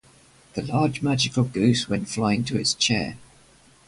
The large magical goose went flying to it's chair.